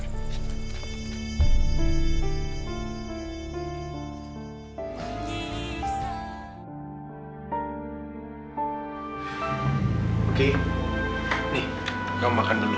nih kamu makan dulu